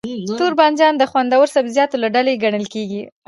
توربانجان د خوندورو سبزيجاتو له ډلې ګڼل کېږي.